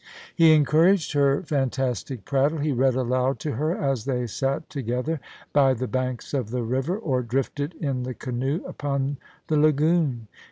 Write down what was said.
He encouraged her fantastic prattle; he read aloud to her as they sat together by the banks of the river, or drifted in the canoe upon the lagoon.